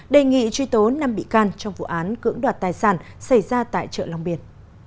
đề nghị truy tố năm bị can trong vụ án cưỡng đoạt tài sản xảy ra tại chợ long biên